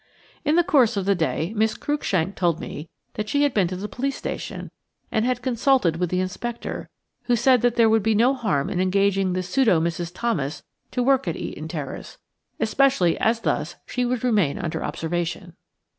In the course of the day, Miss Cruikshank told me that she had been to the police station, and had consulted with the inspector, who said there would be no harm in engaging the pseudo Mrs. Thomas to work at Eaton Terrace, especially as thus she would remain under observation.